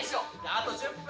あと１０分！